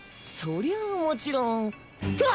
そりゃあもちろん。